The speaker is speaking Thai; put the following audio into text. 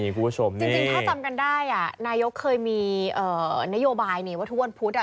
จริงจริงถ้าจำกันได้อ่ะนายกเคยมีเอ่อนโยบายนี่ว่าทุกวันพุธอ่ะ